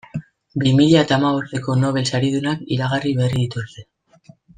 Bi mila eta hamabosteko Nobel saridunak iragarri berri dituzte.